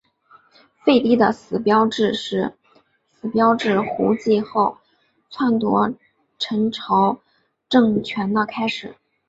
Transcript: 废帝的死标志着胡季牦篡夺陈朝政权的开始。